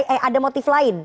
eh ada motif lain